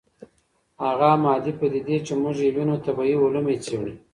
هغه مادي پدیدې چې موږ یې وینو طبیعي علوم یې څېړي.